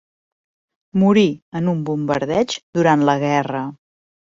Morí en un bombardeig durant la guerra.